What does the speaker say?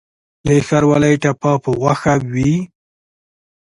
د ښاروالۍ ټاپه په غوښه وي؟